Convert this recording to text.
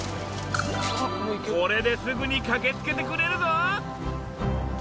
これですぐに駆けつけてくれるぞ！